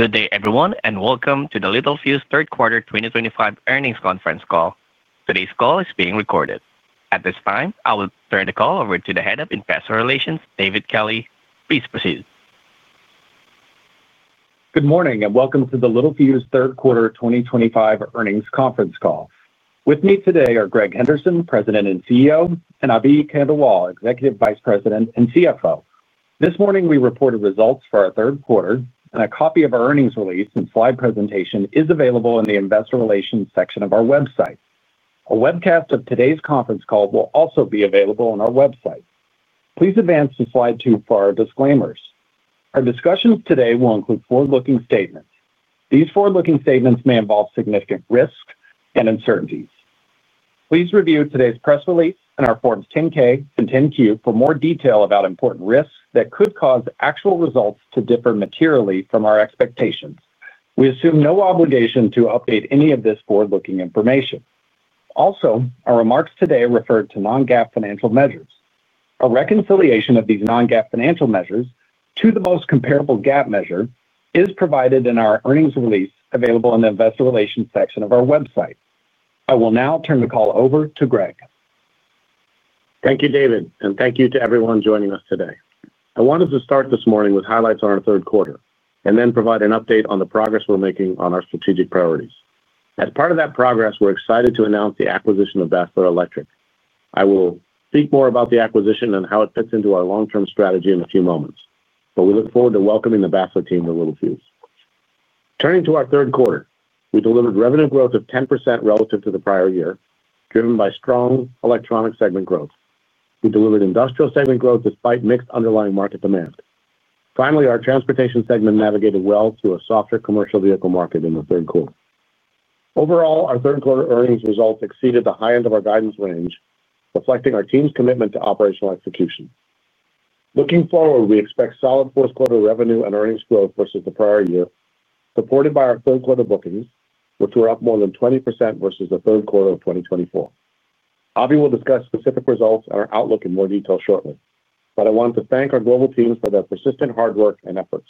Good day, everyone, and welcome to the Littelfuse Third Quarter 2025 Earnings Conference call. Today's call is being recorded. At this time, I will turn the call over to the Head of Investor Relations, David Kelley. Please proceed. Good morning, and welcome to the Littelfuse Third Quarter 2025 Earnings Conference call. With me today are Greg Henderson, President and CEO, and Abhi Khandelwal, Executive Vice President and CFO. This morning, we reported results for our third quarter, and a copy of our earnings release and slide presentation is available in the Investor Relations section of our website. A webcast of today's conference call will also be available on our website. Please advance to slide two for our disclaimers. Our discussions today will include forward-looking statements. These forward-looking statements may involve significant risks and uncertainties. Please review today's press release and our Forms 10-K and 10-Q for more detail about important risks that could cause actual results to differ materially from our expectations. We assume no obligation to update any of this forward-looking information. Also, our remarks today refer to non-GAAP financial measures. A reconciliation of these non-GAAP financial measures to the most comparable GAAP measure is provided in our earnings release available in the Investor Relations section of our website. I will now turn the call over to Greg. Thank you, David, and thank you to everyone joining us today. I wanted to start this morning with highlights on our third quarter and then provide an update on the progress we're making on our strategic priorities. As part of that progress, we're excited to announce the acquisition of Basler Electric. I will speak more about the acquisition and how it fits into our long-term strategy in a few moments, but we look forward to welcoming the Basler team to Littelfuse. Turning to our third quarter, we delivered revenue growth of 10% relative to the prior year, driven by strong electronics segment growth. We delivered industrial segment growth despite mixed underlying market demand. Finally, our transportation segment navigated well through a softer commercial vehicle market in the third quarter. Overall, our third quarter earnings results exceeded the high end of our guidance range, reflecting our team's commitment to operational execution. Looking forward, we expect solid first quarter revenue and earnings growth versus the prior year, supported by our third quarter bookings, which were up more than 20% versus the third quarter of 2024. Abhi will discuss specific results and our outlook in more detail shortly, but I want to thank our global teams for their persistent hard work and efforts.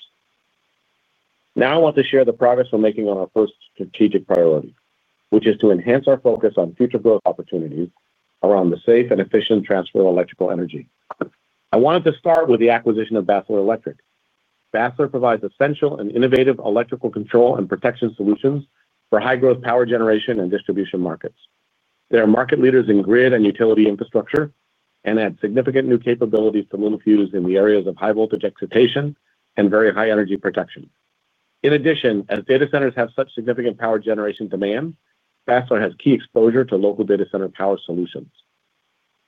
Now, I want to share the progress we're making on our first strategic priority, which is to enhance our focus on future growth opportunities around the safe and efficient transfer of electrical energy. I wanted to start with the acquisition of Basler Electric. Basler provides essential and innovative electrical control and protection solutions for high-growth power generation and distribution markets. They are market leaders in grid and utility infrastructure and add significant new capabilities to Littelfuse in the areas of high voltage excitation and very high energy protection. In addition, as data centers have such significant power generation demand, Basler has key exposure to local data center power solutions.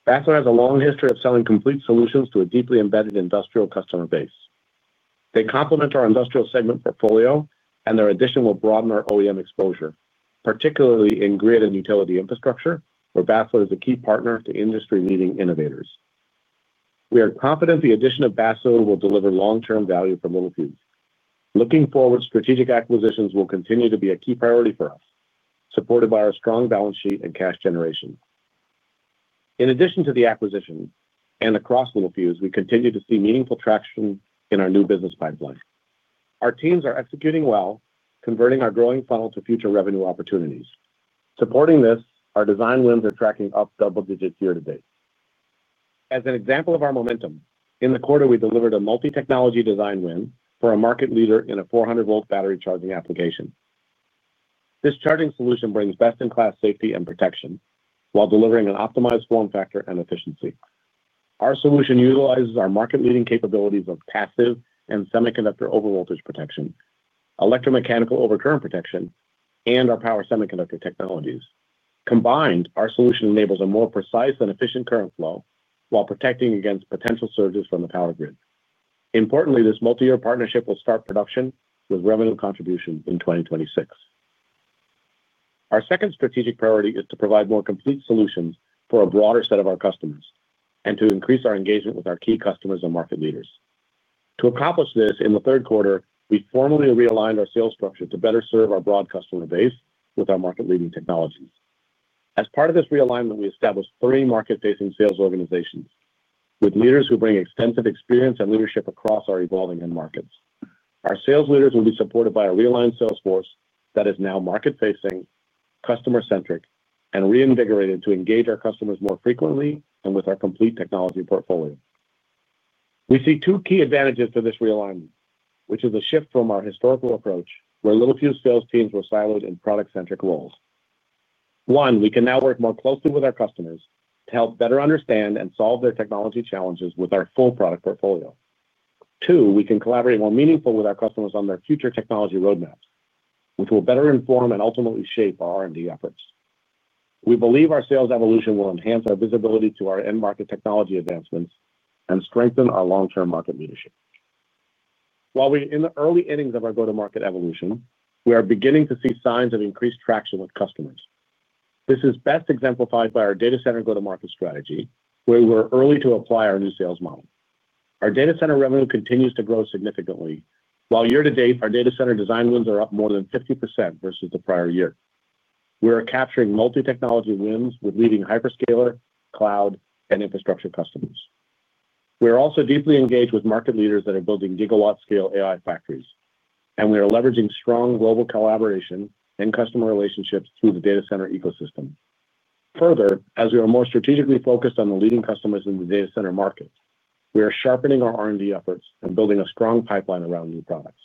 Basler has a long history of selling complete solutions to a deeply embedded industrial customer base. They complement our industrial segment portfolio, and their addition will broaden our OEM exposure, particularly in grid and utility infrastructure, where Basler is a key partner to industry-leading innovators. We are confident the addition of Basler will deliver long-term value for Littelfuse. Looking forward, strategic acquisitions will continue to be a key priority for us, supported by our strong balance sheet and cash generation. In addition to the acquisition and across Littelfuse, we continue to see meaningful traction in our new business pipeline. Our teams are executing well, converting our growing funnel to future revenue opportunities. Supporting this, our design wins are tracking up double digits year-to-date. As an example of our momentum, in the quarter, we delivered a multi-technology design win for a market leader in a 400-volt battery charging application. This charging solution brings best-in-class safety and protection while delivering an optimized form factor and efficiency. Our solution utilizes our market-leading capabilities of passive and semiconductor overvoltage protection, electromechanical overcurrent protection, and our power semiconductor technologies. Combined, our solution enables a more precise and efficient current flow while protecting against potential surges from the power grid. Importantly, this multi-year partnership will start production with revenue contribution in 2026. Our second strategic priority is to provide more complete solutions for a broader set of our customers and to increase our engagement with our key customers and market leaders. To accomplish this in the third quarter, we formally realigned our sales structure to better serve our broad customer base with our market-leading technologies. As part of this realignment, we established three market-facing sales organizations with leaders who bring extensive experience and leadership across our evolving end markets. Our sales leaders will be supported by a realigned sales force that is now market-facing, customer-centric, and reinvigorated to engage our customers more frequently and with our complete technology portfolio. We see two key advantages to this realignment, which is a shift from our historical approach where Littelfuse sales teams were siloed in product-centric roles. One, we can now work more closely with our customers to help better understand and solve their technology challenges with our full product portfolio. Two, we can collaborate more meaningfully with our customers on their future technology roadmaps, which will better inform and ultimately shape our R&D efforts. We believe our sales evolution will enhance our visibility to our end market technology advancements and strengthen our long-term market leadership. While we are in the early innings of our go-to-market evolution, we are beginning to see signs of increased traction with customers. This is best exemplified by our data center go-to-market strategy, where we're early to apply our new sales model. Our data center revenue continues to grow significantly, while year to date, our data center design wins are up more than 50% versus the prior year. We are capturing multi-technology wins with leading hyperscaler, cloud, and infrastructure customers. We are also deeply engaged with market leaders that are building gigawatt-scale AI factories, and we are leveraging strong global collaboration and customer relationships through the data center ecosystem. Further, as we are more strategically focused on the leading customers in the data center market, we are sharpening our R&D efforts and building a strong pipeline around new products.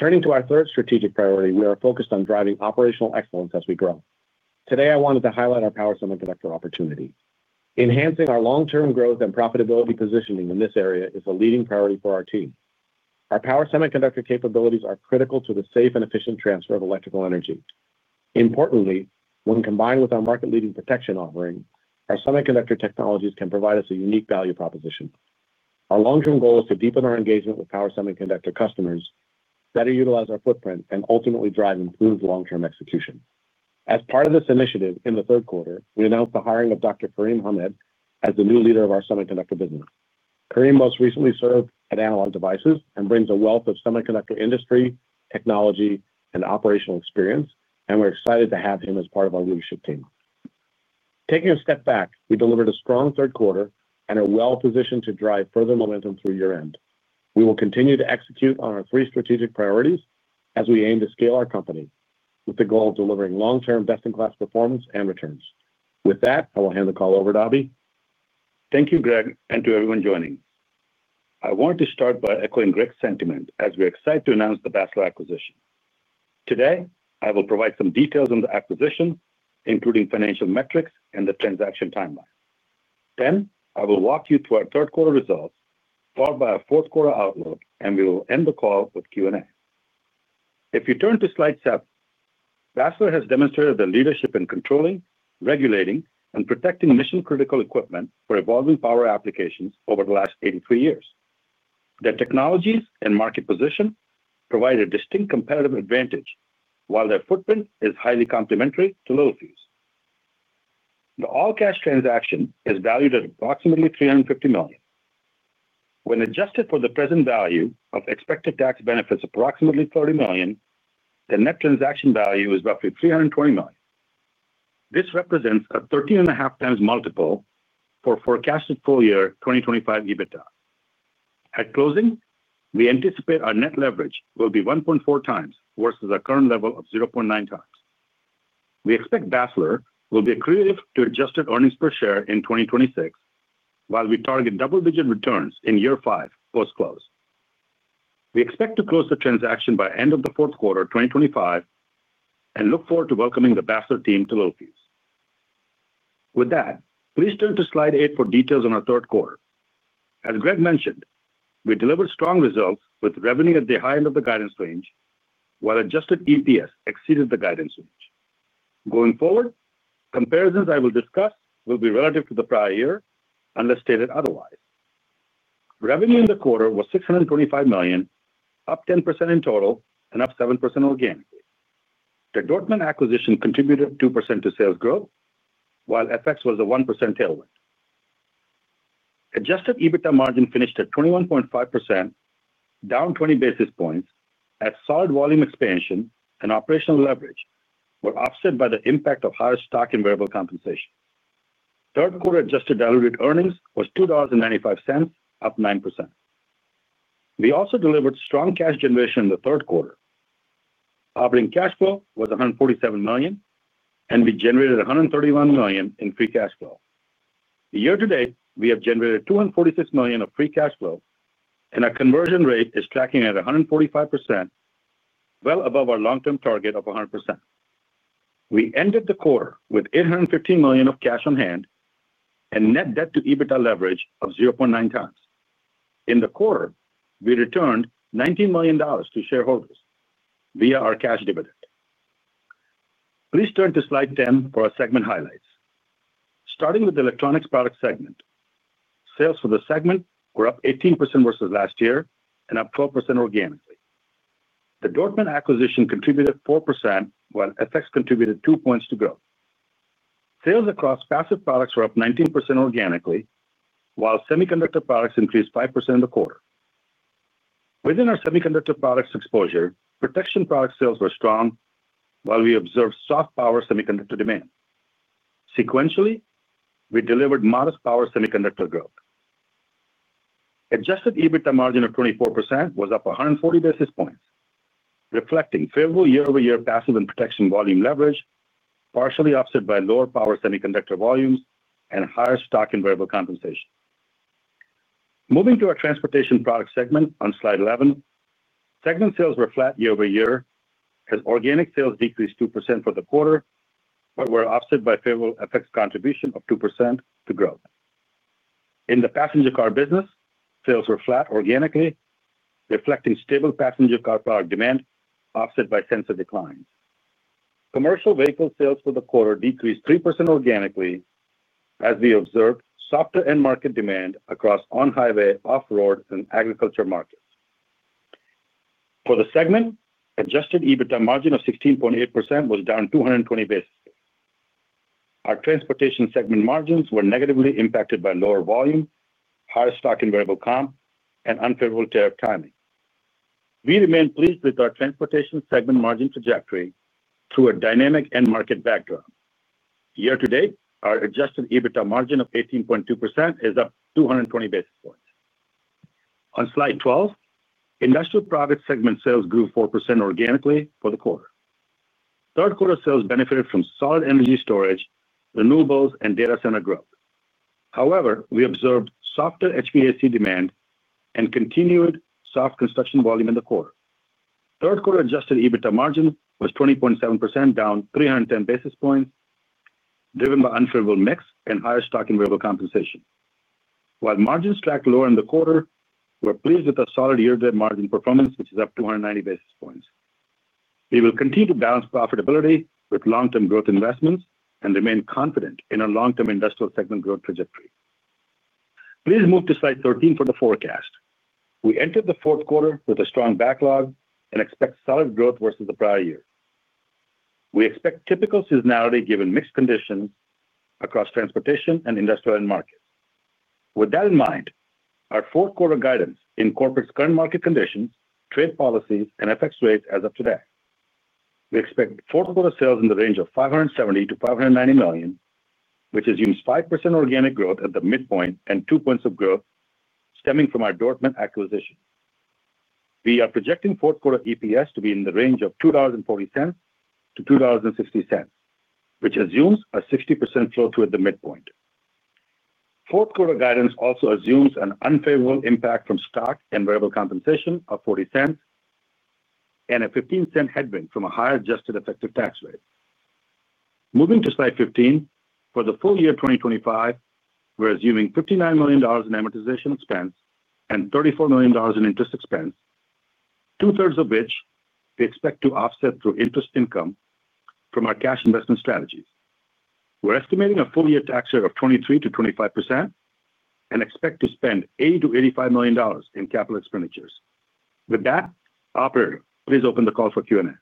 Turning to our third strategic priority, we are focused on driving operational excellence as we grow. Today, I wanted to highlight our power semiconductor opportunity. Enhancing our long-term growth and profitability positioning in this area is a leading priority for our team. Our power semiconductor capabilities are critical to the safe and efficient transfer of electrical energy. Importantly, when combined with our market-leading protection offering, our semiconductor technologies can provide us a unique value proposition. Our long-term goal is to deepen our engagement with power semiconductor customers, better utilize our footprint, and ultimately drive improved long-term execution. As part of this initiative in the third quarter, we announced the hiring of Dr. Karim Hamed as the new leader of our semiconductor business. Karim most recently served at Analog Devices and brings a wealth of semiconductor industry, technology, and operational experience, and we're excited to have him as part of our leadership team. Taking a step back, we delivered a strong third quarter and are well positioned to drive further momentum through year-end. We will continue to execute on our three strategic priorities as we aim to scale our company with the goal of delivering long-term best-in-class performance and returns. With that, I will hand the call over to Abhi. Thank you, Greg, and to everyone joining. I want to start by echoing Greg's sentiment as we're excited to announce the Basler acquisition. Today, I will provide some details on the acquisition, including financial metrics and the transaction timeline. I will walk you through our third quarter results, followed by our fourth quarter outlook, and we will end the call with Q&A. If you turn to slide seven, Basler has demonstrated their leadership in controlling, regulating, and protecting mission-critical equipment for evolving power applications over the last 83 years. Their technologies and market position provide a distinct competitive advantage, while their footprint is highly complementary to Littelfuse. The all-cash transaction is valued at approximately $350 million. When adjusted for the present value of expected tax benefits, approximately $30 million, the net transaction value is roughly $320 million. This represents a 13.5x multiple for forecasted full-year 2025 EBITDA. At closing, we anticipate our net leverage will be 1.4x versus our current level of 0.9x. We expect Basler Electric will be accretive to adjusted EPS in 2026, while we target double-digit returns in year five post-close. We expect to close the transaction by the end of the fourth quarter of 2025 and look forward to welcoming the Basler team to Littelfuse. With that, please turn to slide eight for details on our third quarter. As Greg mentioned, we delivered strong results with revenue at the high end of the guidance range, while adjusted EPS exceeded the guidance range. Going forward, comparisons I will discuss will be relative to the prior year unless stated otherwise. Revenue in the quarter was $625 million, up 10% in total and up 7% organically. The Dortmund acquisition contributed 2% to sales growth, while FX was a 1% tailwind. Adjusted EBITDA margin finished at 21.5%, down 20 basis points, as solid volume expansion and operational leverage were offset by the impact of higher stock and variable compensation. Third quarter adjusted diluted earnings was $2.95, up 9%. We also delivered strong cash generation in the third quarter. Operating cash flow was $147 million, and we generated $131 million in free cash flow. Year-to-date, we have generated $246 million of free cash flow, and our conversion rate is tracking at 145%, well above our long-term target of 100%. We ended the quarter with $815 million of cash on hand and net debt to EBITDA leverage of 0.9x. In the quarter, we returned $19 million to shareholders via our cash dividend. Please turn to slide 10 for our segment highlights. Starting with the electronics product segment, sales for the segment were up 18% versus last year and up 12% organically. The Dortmund acquisition contributed 4%, while FX contributed 2% to growth. Sales across passive products were up 19% organically, while semiconductor products increased 5% in the quarter. Within our semiconductor products exposure, protection product sales were strong, while we observed soft power semiconductor demand. Sequentially, we delivered modest power semiconductor growth. Adjusted EBITDA margin of 24% was up 140 basis points, reflecting favorable year-over-year passive and protection volume leverage, partially offset by lower power semiconductor volumes and higher stock and variable compensation. Moving to our transportation product segment on slide 11, segment sales were flat year-over-year, as organic sales decreased 2% for the quarter, but were offset by favorable FX contribution of 2% to growth. In the passenger car business, sales were flat organically, reflecting stable passenger car product demand offset by sensor declines. Commercial vehicle sales for the quarter decreased 3% organically, as we observed softer end market demand across on-highway, off-road, and agriculture markets. For the segment, adjusted EBITDA margin of 16.8% was down 220 basis points. Our transportation segment margins were negatively impacted by lower volume, higher stock and variable compensation, and unfavorable tariff timing. We remain pleased with our transportation segment margin trajectory through a dynamic end market backdrop. Year-to-date, our adjusted EBITDA margin of 18.2% is up 220 basis points. On slide 12, industrial product segment sales grew 4% organically for the quarter. Third quarter sales benefited from solid energy storage, renewables, and data center growth. However, we observed softer HVAC demand and continued soft construction volume in the quarter. Third quarter adjusted EBITDA margin was 20.7%, down 310 basis points, driven by unfavorable mix and higher stock and variable compensation. While margins tracked lower in the quarter, we're pleased with a solid year-to-date margin performance, which is up 290 basis points. We will continue to balance profitability with long-term growth investments and remain confident in our long-term industrial segment growth trajectory. Please move to slide 13 for the forecast. We entered the fourth quarter with a strong backlog and expect solid growth versus the prior year. We expect typical seasonality, given mixed conditions across transportation and industrial end markets. With that in mind, our fourth quarter guidance incorporates current market conditions, trade policies, and FX rates as of today. We expect fourth quarter sales in the range of $570 million-$590 million, which is 5% organic growth at the midpoint and two points of growth stemming from our Dortmund acquisition. We are projecting fourth quarter EPS to be in the range of $2.40-$2.60, which assumes a 60% flow through at the midpoint. Fourth quarter guidance also assumes an unfavorable impact from stock and variable compensation of $0.40 and a $0.15 headwind from a higher adjusted effective tax rate. Moving to slide 15, for the full year 2025, we're assuming $59 million in amortization expense and $34 million in interest expense, 2/3 of which we expect to offset through interest income from our cash investment strategies. We're estimating a full-year tax rate of 23%-25% and expect to spend $80million-$85 million in capital expenditures. With that, operator, please open the call for Q&A.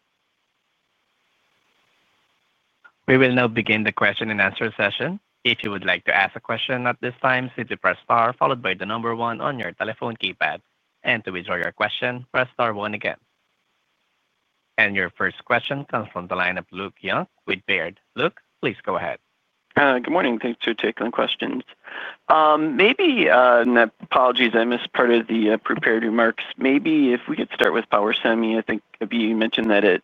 We will now begin the question and answer session. If you would like to ask a question at this time, simply press star followed by the number one on your telephone keypad. To withdraw your question, press star one again. Your first question comes from the line of Luke Young with Baird. Luke, please go ahead. Good morning. Thanks for taking the questions. Maybe, and apologies, I missed part of the prepared remarks. Maybe if we could start with Powersemi? I think Abhi mentioned that it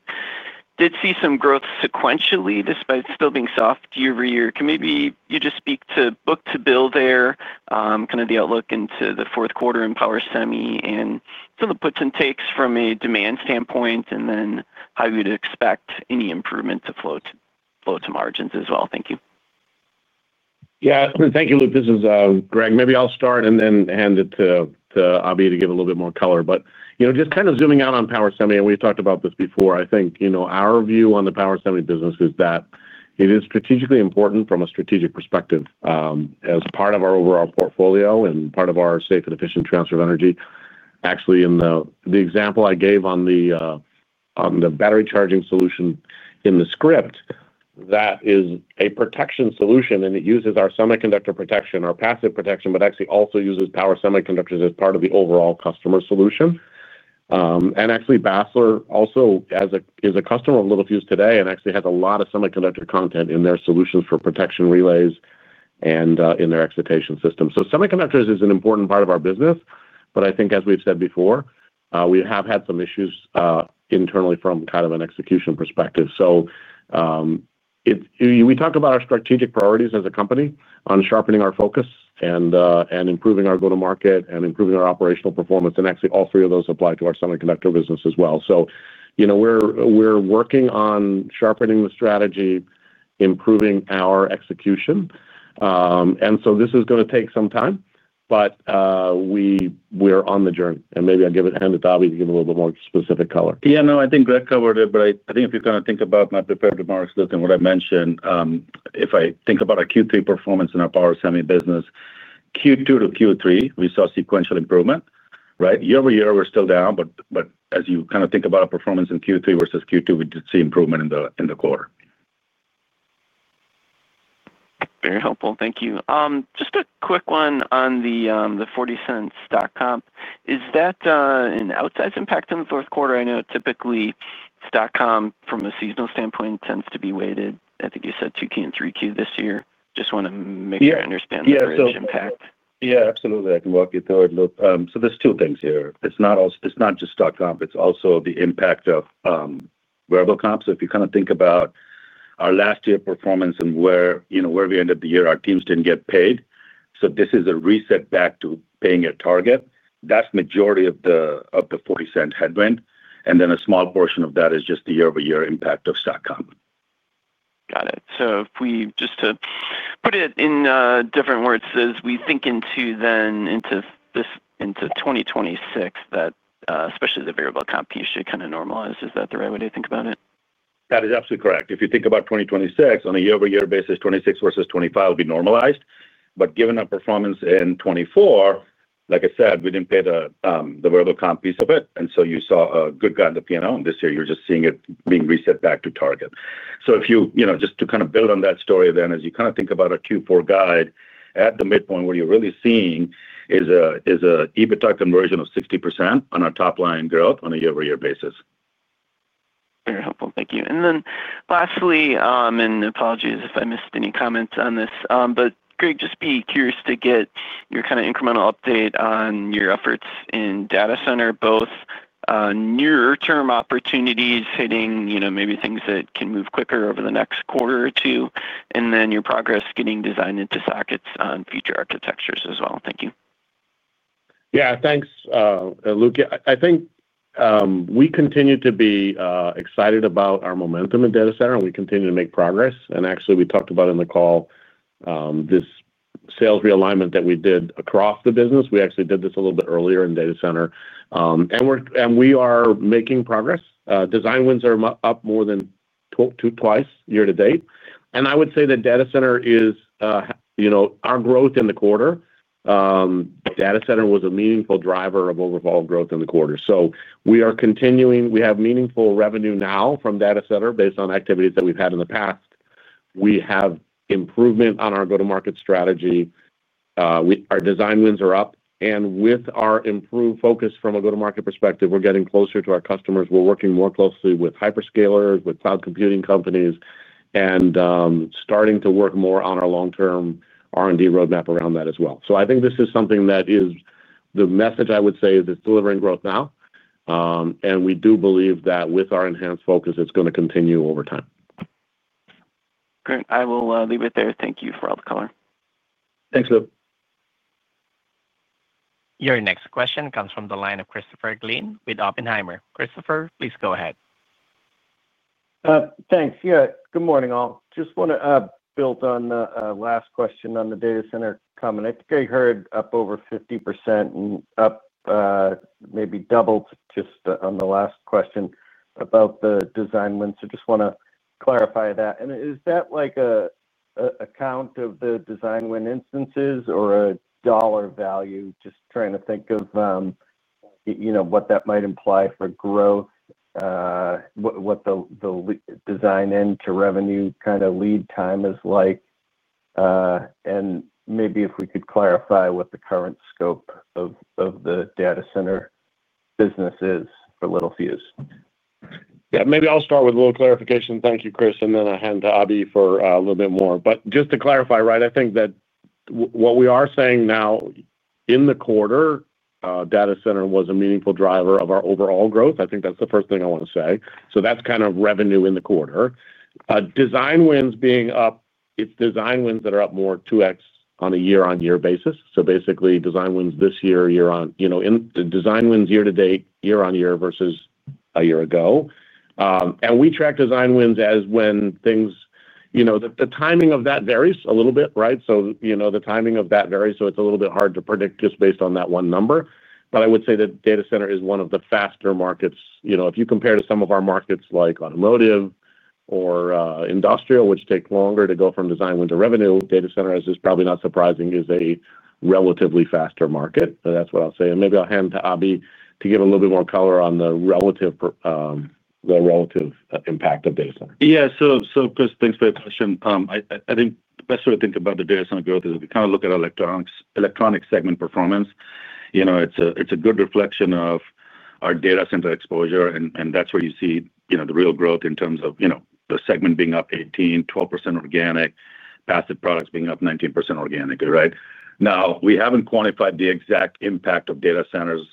did see some growth sequentially despite still being soft year-over-year. Can maybe you just speak to book to bill there, kind of the outlook into the fourth quarter in Powersemi and some of the puts and takes from a demand standpoint, and then how you'd expect any improvement to flow to margins as well. Thank you. Yeah, thank you, Luke. This is Greg. Maybe I'll start and then hand it to Abhi to give a little bit more color. You know, just kind of zooming out on Powersemi, and we've talked about this before, I think our view on the Powersemi business is that it is strategically important from a strategic perspective as part of our overall portfolio and part of our safe and efficient transfer of energy. Actually, in the example I gave on the battery charging solution in the script, that is a protection solution, and it uses our semiconductor protection, our passive protection, but actually also uses power semiconductors as part of the overall customer solution. Actually, Basler also is a customer of Littelfuse today and actually has a lot of semiconductor content in their solutions for protection relays and in their excitation system. Semiconductors is an important part of our business, but I think, as we've said before, we have had some issues internally from kind of an execution perspective. We talk about our strategic priorities as a company on sharpening our focus and improving our go-to-market and improving our operational performance, and actually all three of those apply to our semiconductor business as well. You know, we're working on sharpening the strategy, improving our execution. This is going to take some time, but we're on the journey. Maybe I'll give it a hand to Abhi to give a little bit more specific color. Yeah, no, I think Greg covered it, but I think if you kind of think about my prepared remarks, Luke, and what I mentioned, if I think about our Q3 performance in our power semiconductor business, Q2 to Q3, we saw sequential improvement, right? Year over year, we're still down, but as you kind of think about our performance in Q3 versus Q2, we did see improvement in the quarter. Very helpful. Thank you. Just a quick one on the $0.40 stock comp. Is that an outsized impact in the fourth quarter? I know typically stock comp, from a seasonal standpoint, tends to be weighted. I think you said 2Q and 3Q this year. Just want to make sure I understand the various impact. Yeah, absolutely. I can walk you through it, Luke. There are two things here. It's not just stock comp. It's also the impact of variable comp. If you kind of think about our last year performance and where we ended the year, our teams didn't get paid. This is a reset back to paying at target. That's the majority of the $0.40 headwind, and then a small portion of that is just the year-over-year impact of stock comp. If we, just to put it in different words, as we think into this into 2026, that especially the variable comp piece should kind of normalize. Is that the right way to think about it? That is absolutely correct. If you think about 2026, on a year-over-year basis, 2026 versus 2025 will be normalized. Given our performance in 2024, like I said, we didn't pay the variable compensation piece of it, and you saw a good guy in the P&L. This year, you're just seeing it being reset back to target. If you just kind of build on that story, as you think about our Q4 guide, at the midpoint, what you're really seeing is an EBITDA conversion of 60% on our top line growth on a year-over-year basis. Very helpful. Thank you. Lastly, apologies if I missed any comments on this, but Greg, just be curious to get your kind of incremental update on your efforts in data center, both near-term opportunities hitting, you know, maybe things that can move quicker over the next quarter or two, and then your progress getting designed into sockets on future architectures as well. Thank you. Yeah, thanks, Luke. I think we continue to be excited about our momentum in data center, and we continue to make progress. Actually, we talked about in the call this sales realignment that we did across the business. We actually did this a little bit earlier in data center, and we are making progress. Design wins are up more than twice year to date. I would say that data center is, you know, our growth in the quarter. Data center was a meaningful driver of overall growth in the quarter. We are continuing, we have meaningful revenue now from data center based on activities that we've had in the past. We have improvement on our go-to-market strategy. Our design wins are up, and with our improved focus from a go-to-market perspective, we're getting closer to our customers. We're working more closely with hyperscalers, with cloud computing companies, and starting to work more on our long-term R&D roadmap around that as well. I think this is something that is the message I would say is it's delivering growth now. We do believe that with our enhanced focus, it's going to continue over time. Great. I will leave it there. Thank you for all the color. Thanks, Luke. Your next question comes from the line of Christopher Gleen with Oppenheimer. Christopher, please go ahead. Thanks. Good morning all. Just want to build on the last question on the data center comment. I think I heard up over 50% and up maybe doubled just on the last question about the design wins. I just want to clarify that. Is that like an account of the design win instances or a dollar value? Just trying to think of what that might imply for growth, what the design end-to-revenue kind of lead time is like. Maybe if we could clarify what the current scope of the data center business is for Littelfuse. Yeah, maybe I'll start with a little clarification. Thank you, Chris. Then a hand to Abhi for a little bit more. Just to clarify, I think that what we are saying now in the quarter, data center was a meaningful driver of our overall growth. I think that's the first thing I want to say. That's kind of revenue in the quarter. Design wins being up, it's design wins that are up more 2x on a year-on-year basis. Basically, design wins this year, year on, you know, design wins year to date, year-on-year versus a year ago. We track design wins as when things, you know, the timing of that varies a little bit, right? The timing of that varies, so it's a little bit hard to predict just based on that one number. I would say that data center is one of the faster markets. If you compare to some of our markets like automotive or industrial, which take longer to go from design wins to revenue, data center, as is probably not surprising, is a relatively faster market. That's what I'll say. Maybe I'll hand to Abhi to give a little bit more color on the relative impact of data center. Yeah, Chris, thanks for the question. I think the best way to think about the data center growth is if you kind of look at electronics segment performance, it's a good reflection of our data center exposure. That's where you see the real growth in terms of the segment being up 18%, 12% organic, passive products being up 19% organically, right? We haven't quantified the exact impact of data centers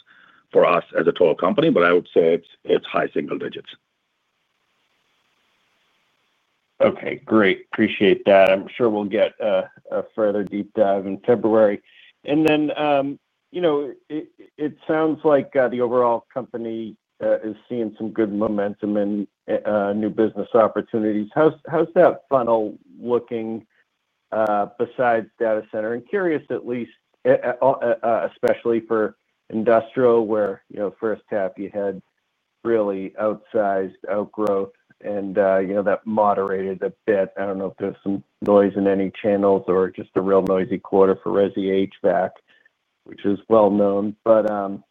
for us as a total company, but I would say it's high single digits. Okay, great. Appreciate that. I'm sure we'll get a further deep dive in February. It sounds like the overall company is seeing some good momentum in new business opportunities. How's that funnel looking besides data center? I'm curious, at least, especially for industrial where, you know, first half you had really outsized outgrowth and, you know, that moderated a bit. I don't know if there's some noise in any channels or just a real noisy quarter for Rest HVAC, which is well known. I'm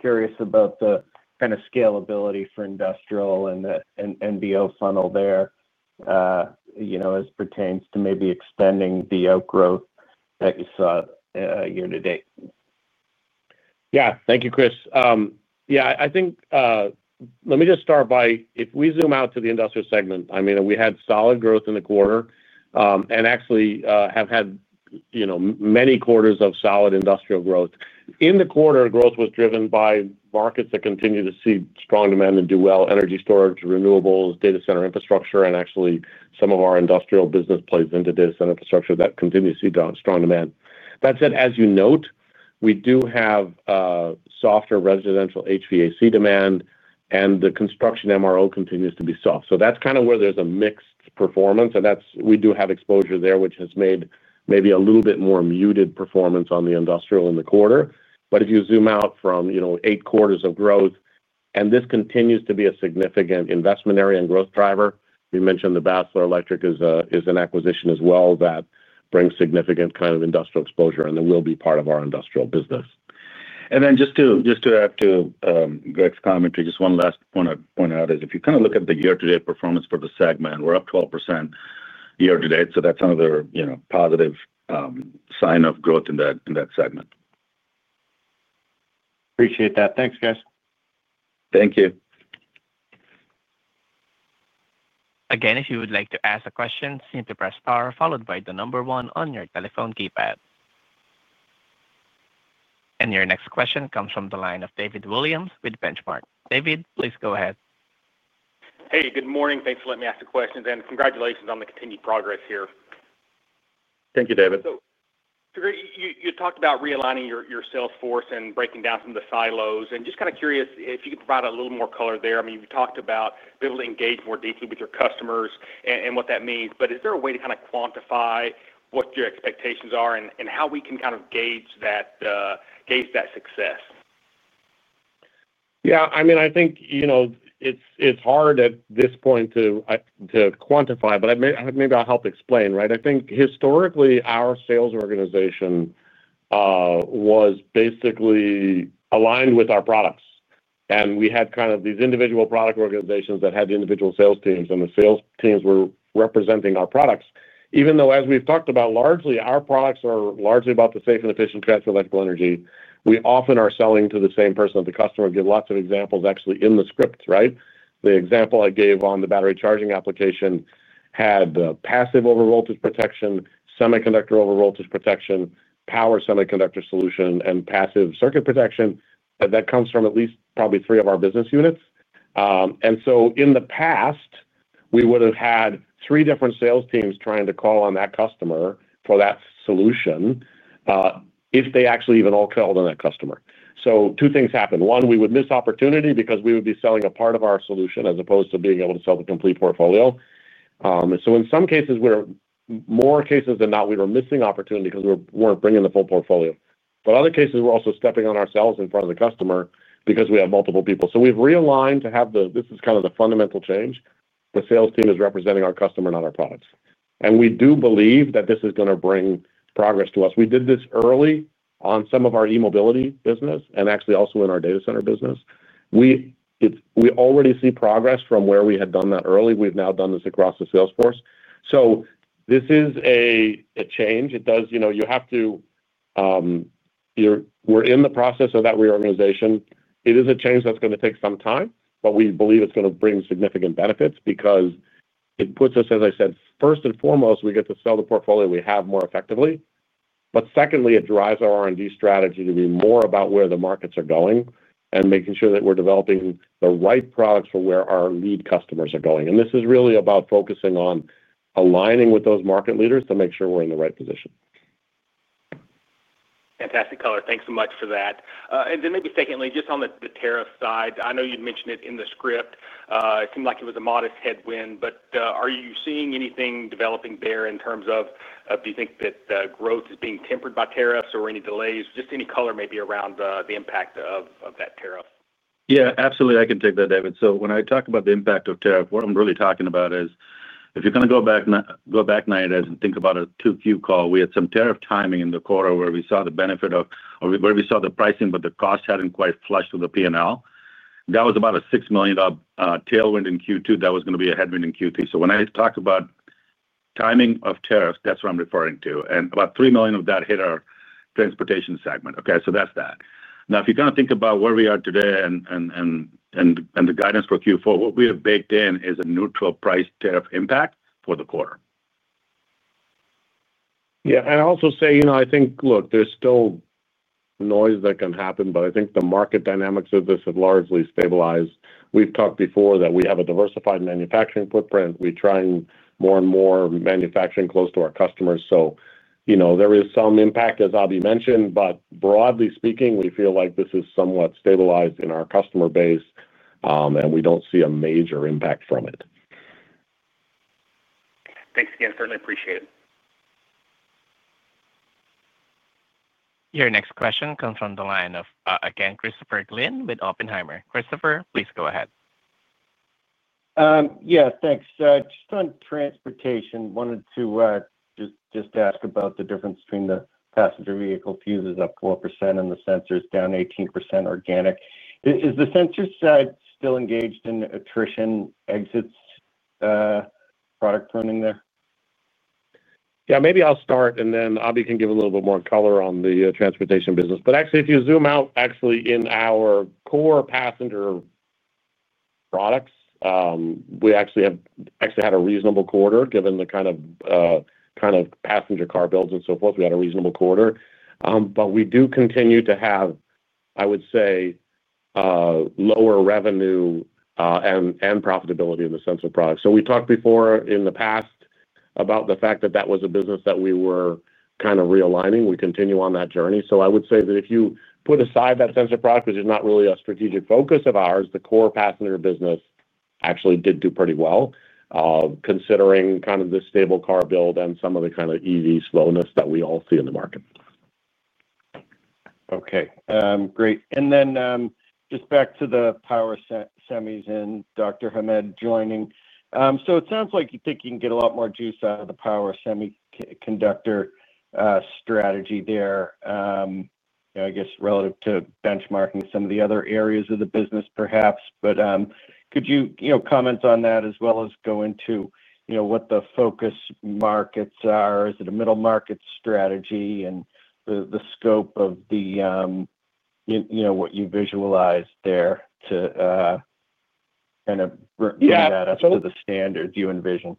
curious about the kind of scalability for industrial and the NBO funnel there, you know, as it pertains to maybe extending the outgrowth that you saw year to date. Yeah, thank you, Chris. I think let me just start by if we zoom out to the industrial segment, I mean, we had solid growth in the quarter and actually have had many quarters of solid industrial growth. In the quarter, growth was driven by markets that continue to see strong demand and do well: energy storage, renewables, data center infrastructure, and actually some of our industrial business plays into data center infrastructure that continue to see strong demand. That said, as you note, we do have softer residential HVAC demand and the construction MRO continues to be soft. That's kind of where there's a mixed performance. We do have exposure there, which has made maybe a little bit more muted performance on the industrial in the quarter. If you zoom out from eight quarters of growth, this continues to be a significant investment area and growth driver. We mentioned that Basler is an acquisition as well that brings significant kind of industrial exposure and then will be part of our industrial business. To add to Greg's comment, just one last point I'd point out is if you kind of look at the year-to-date performance for the segment, we're up 12% year-to-date. That's another positive sign of growth in that segment. Appreciate that. Thanks, guys. Thank you. If you would like to ask a question, simply press star followed by the number one on your telephone keypad. Your next question comes from the line of David Williams with Benchmark. David, please go ahead. Hey, good morning. Thanks for letting me ask the questions, and congratulations on the continued progress here. Thank you, David. Greg, you talked about realigning your sales force and breaking down some of the silos. I'm just kind of curious if you could provide a little more color there. I mean, you talked about being able to engage more deeply with your customers and what that means, but is there a way to kind of quantify what your expectations are and how we can kind of gauge that success? Yeah, I mean, I think, you know, it's hard at this point to quantify, but maybe I'll help explain, right? I think historically, our sales organization was basically aligned with our products. We had kind of these individual product organizations that had individual sales teams, and the sales teams were representing our products. Even though, as we've talked about, largely our products are largely about the safe and efficient transfer of electrical energy, we often are selling to the same person at the customer. I give lots of examples actually in the script, right? The example I gave on the battery charging application had the passive overvoltage protection, semiconductor overvoltage protection, power semiconductor solution, and passive circuit protection. That comes from at least probably three of our business units. In the past, we would have had three different sales teams trying to call on that customer for that solution if they actually even all called on that customer. Two things happened. One, we would miss opportunity because we would be selling a part of our solution as opposed to being able to sell the complete portfolio. In some cases, more cases than not, we were missing opportunity because we weren't bringing the full portfolio. Other cases, we're also stepping on ourselves in front of the customer because we have multiple people. We've realigned to have the, this is kind of the fundamental change. The sales team is representing our customer, not our products. We do believe that this is going to bring progress to us. We did this early on some of our e-mobility business and actually also in our data center business. We already see progress from where we had done that early. We've now done this across the sales force. This is a change. It does, you know, you have to, we're in the process of that reorganization. It is a change that's going to take some time, but we believe it's going to bring significant benefits because it puts us, as I said, first and foremost, we get to sell the portfolio we have more effectively. Secondly, it drives our R&D strategy to be more about where the markets are going and making sure that we're developing the right products for where our lead customers are going. This is really about focusing on aligning with those market leaders to make sure we're in the right position. Fantastic color. Thanks so much for that. Maybe secondly, just on the tariff side, I know you'd mentioned it in the script. It seemed like it was a modest headwind, but are you seeing anything developing there in terms of, do you think that growth is being tempered by tariffs or any delays? Just any color maybe around the impact of that tariff. Yeah, absolutely. I can take that, David. When I talk about the impact of tariff, what I'm really talking about is if you kind of go back nine days and think about a 2Q call, we had some tariff timing in the quarter where we saw the benefit of, or where we saw the pricing, but the cost hadn't quite flushed with the P&L. That was about a $6 million tailwind in Q2 that was going to be a headwind in Q3. When I talk about timing of tariffs, that's what I'm referring to. About $3 million of that hit our transportation segment. If you kind of think about where we are today and the guidance for Q4, what we have baked in is a neutral price tariff impact for the quarter. Yeah, I also say, you know, I think, look, there's still noise that can happen, but I think the market dynamics of this have largely stabilized. We've talked before that we have a diversified manufacturing footprint. We try more and more manufacturing close to our customers. You know, there is some impact, as Abhi mentioned, but broadly speaking, we feel like this is somewhat stabilized in our customer base, and we don't see a major impact from it. Thanks again. Certainly appreciate it. Your next question comes from the line of, again, Christopher Gleen with Oppenheimer. Christopher, please go ahead. Yeah, thanks. Just on transportation, wanted to just ask about the difference between the passenger vehicle fuses up 4% and the sensors down 18% organic. Is the sensor side still engaged in attrition exits product running there? Yeah, maybe I'll start, and then Abhi can give a little bit more color on the transportation business. If you zoom out, in our core passenger products, we actually had a reasonable quarter given the kind of passenger car builds and so forth. We had a reasonable quarter. We do continue to have, I would say, lower revenue and profitability in the sensor product. We talked before in the past about the fact that that was a business that we were kind of realigning. We continue on that journey. I would say that if you put aside that sensor product, which is not really a strategic focus of ours, the core passenger business actually did do pretty well, considering kind of the stable car build and some of the kind of EV slowness that we all see in the market. Okay, great. Just back to the power semiconductor and Dr. Hamed joining. It sounds like you think you can get a lot more juice out of the power semiconductor strategy there, I guess relative to benchmarking some of the other areas of the business, perhaps. Could you comment on that as well as go into what the focus markets are? Is it a middle market strategy and the scope of what you visualized there to kind of bring that up to the standards you envision?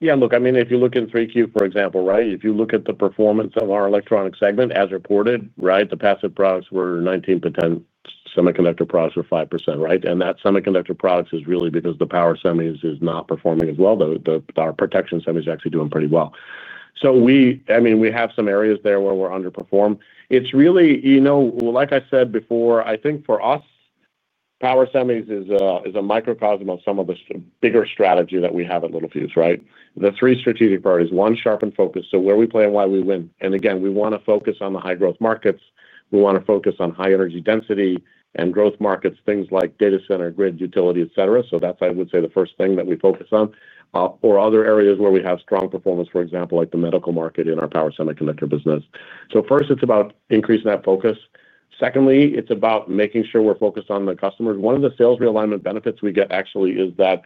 Yeah, look, I mean, if you look in 3Q, for example, right? If you look at the performance of our electronic segment as reported, the passive products were 19%, semiconductor products were 5%, right? That semiconductor products is really because the power semiconductor is not performing as well. Our protection semiconductors are actually doing pretty well. We have some areas there where we underperformed. It is really, you know, like I said before, I think for us, power semiconductors is a microcosm of some of the bigger strategy that we have at Littelfuse, right? The three strategic priorities: one, sharpen focus, so where we play and why we win. We want to focus on the high-growth markets. We want to focus on high energy density and growth markets, things like data center, grid, utility, etc. That is, I would say, the first thing that we focus on. Other areas where we have strong performance, for example, like the medical market in our power semiconductor business. First, it is about increasing that focus. Secondly, it is about making sure we are focused on the customers. One of the sales realignment benefits we get actually is that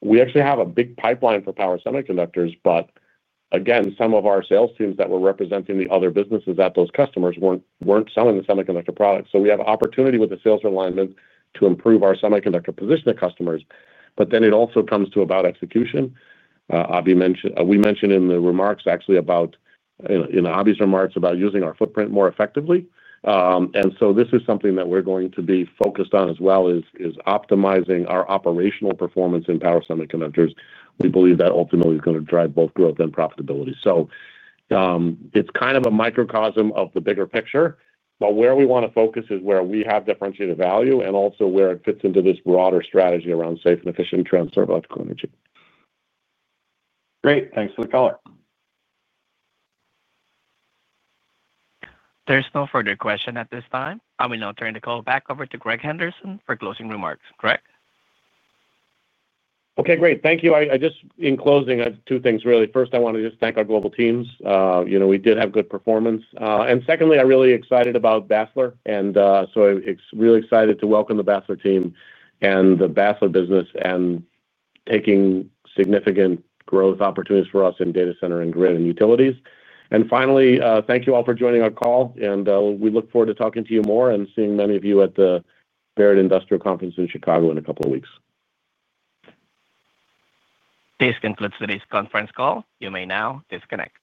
we actually have a big pipeline for power semiconductors, but some of our sales teams that were representing the other businesses at those customers were not selling the semiconductor products. We have opportunity with the sales realignment to improve our semiconductor position to customers. It also comes to execution. We mentioned in the remarks actually about, you know, in Abhi's remarks about using our footprint more effectively. This is something that we are going to be focused on as well, optimizing our operational performance in power semiconductors. We believe that ultimately is going to drive both growth and profitability. It is kind of a microcosm of the bigger picture, but where we want to focus is where we have differentiated value and also where it fits into this broader strategy around safe and efficient transfer of electrical energy. Great, thanks for the color. There's no further question at this time. I will now turn the call back over to Greg Henderson for closing remarks, Greg. Okay, great. Thank you. In closing, I have two things really. First, I want to just thank our global teams. We did have good performance. I'm really excited about Basler. I'm really excited to welcome the Basler team and the Basler business and taking significant growth opportunities for us in data center and grid and utilities. Finally, thank you all for joining our call. We look forward to talking to you more and seeing many of you at the Barrett Industrial Conference in Chicago in a couple of weeks. This concludes today's conference call. You may now disconnect.